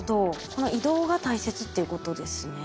この移動が大切っていうことですね。